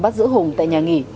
bắt giữ hùng tại nhà nghỉ